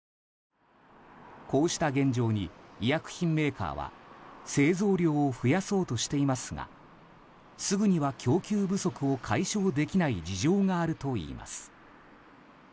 こうした現状に医薬品メーカーは製造量を増やそうとしていますがすぐには供給不足を解消できない事情があるといいます。